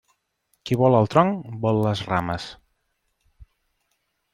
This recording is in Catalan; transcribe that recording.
Qui vol el tronc, vol les rames.